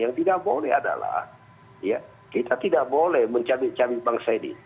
yang tidak boleh adalah kita tidak boleh mencabik camik bangsa ini